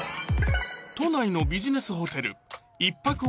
都内のビジネスホテル一泊